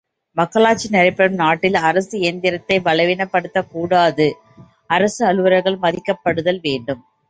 மக்களாட்சி நடைபெறும் நாட்டில் அரசு இயந்திரத்தை பலவீனப்படுத்தக் கூடாது அரசு அலுவலர்கள் மதிக்கப்படுதல் வேண்டும்.